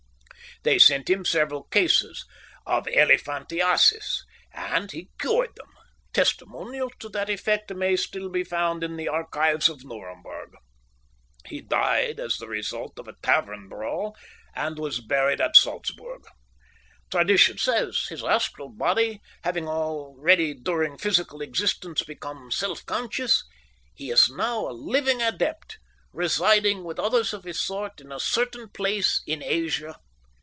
They sent him several cases of elephantiasis, and he cured them: testimonials to that effect may still be found in the archives of Nuremberg. He died as the result of a tavern brawl and was buried at Salzburg. Tradition says that, his astral body having already during physical existence become self conscious, he is now a living adept, residing with others of his sort in a certain place in Asia.